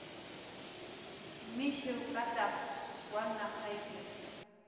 "Mishiwkatap"" walnaqayki"